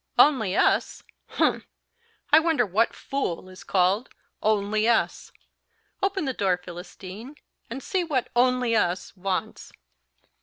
"Only us? humph! I wonder what fool is called only us! Open the door, Philistine, and see what only us wants."